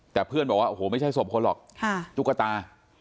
แต่เพื่อนบอกว่าโอ้โหไม่ใช่ศพคนหรอกตุ๊กตา